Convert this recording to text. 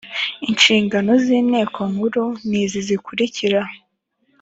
inshingano z ‘inteko nkuru ni izi zikurikira